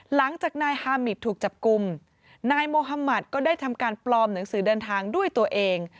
หลังจากนายฮามิตถูกจับกลุ่มนายโมฮามัติก็ได้ทำการปลอมหนังสือเดินทางด้วยตัวเอง